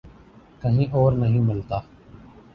کہیں اور نہیں ملتا۔